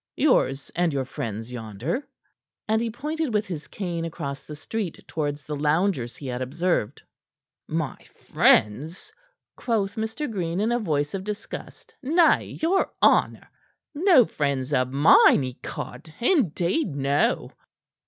yours and your friends yonder." And he pointed with his cane across the street towards the loungers he had observed. "My friends?" quoth Mr. Green, in a voice of disgust. "Nay, your honor! No friends of mine, ecod! Indeed, no!"